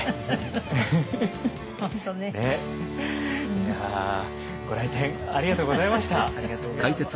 いやご来店ありがとうございました。